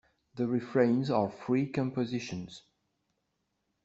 The refrains are free compositions.